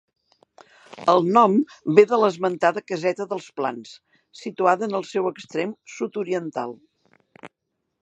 El nom ve de l'esmentada Caseta dels Plans, situada en el seu extrem sud-oriental.